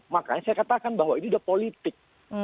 makanya saya katakan bahwa ini sudah politik